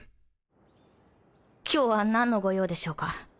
今日は何のご用でしょうか？